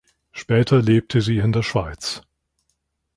Später lebte sie in der Schweiz.